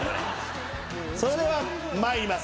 それでは参ります。